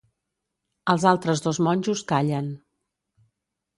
Els altres dos monjos callen.